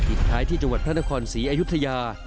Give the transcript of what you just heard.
ท้ายที่จังหวัดพระนครศรีอยุธยา